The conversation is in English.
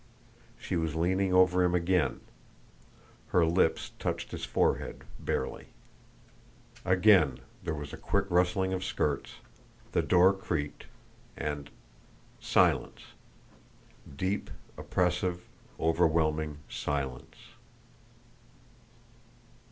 She was leaning over him again her lips touched his forehead, barely; again there was a quick rustling of skirts, the door creaked, and silence, deep, oppressive, overwhelming silence.